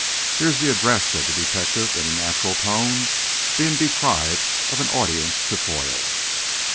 "Here is the address," said the detective in a natural tone, being deprived of an audience to foil.